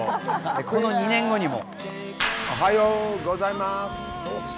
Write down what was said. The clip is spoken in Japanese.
この２年後にも。